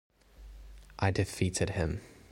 I defeated him.